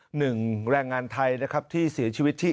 แรงงานไทยนะครับที่เสียชีวิตที่